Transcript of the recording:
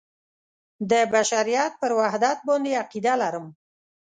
د بشریت پر وحدت باندې عقیده لرم.